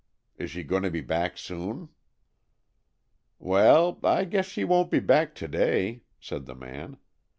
Is she going to be back soon?" "Well, I guess she won't be back to day," said the man.